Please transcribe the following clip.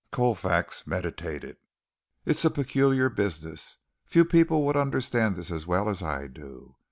Colfax meditated. "It's a peculiar business. Few people would understand this as well as I do.